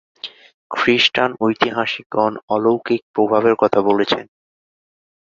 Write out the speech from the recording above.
খ্রিষ্টান ঐতিহাসিকগণ অলৌকিক প্রভাবের কথা বলেছেন।